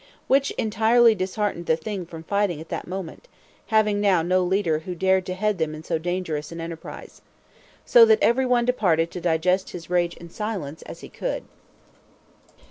Which entirely disheartened the Thing from fighting at that moment; having now no leader who dared to head them in so dangerous an enterprise. So that every one departed to digest his rage in silence as he could.